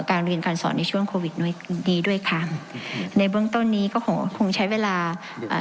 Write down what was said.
การเรียนการสอนในช่วงโควิดด้วยดีด้วยค่ะในเบื้องต้นนี้ก็คงคงใช้เวลาอ่า